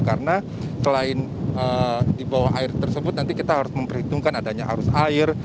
karena selain di bawah air tersebut nanti kita harus memperhitungkan adanya arus air